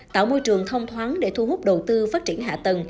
tạo môi trường thông thoáng để thu hút đầu tư phát triển hạ tầng